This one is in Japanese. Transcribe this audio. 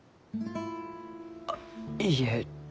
あいいえ。